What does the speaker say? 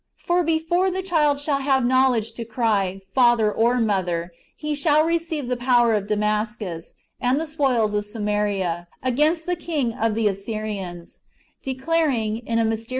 " For before the child shall have knowledge to cry, Father or mother. He shall receive the power of Damascus, and the spoils of Samaria, against the king of the Assyrians;"^ declaring, in a mysterious * Luke i.